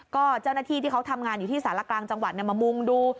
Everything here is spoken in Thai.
ก็เจ้าหน้าที่ที่เขาทำงานอยู่ที่สารกลางจังหวัดมามุ่งดู